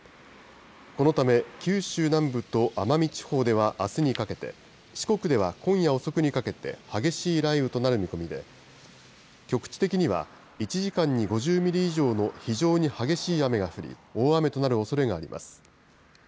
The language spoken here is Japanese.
このため九州南部と奄美地方ではあすにかけて、四国では今夜遅くにかけて、激しい雷雨となる見込みで、局地的には１時間に５０ミリ以上の非常に激しい雨が降り、大雨となるおそれがあります。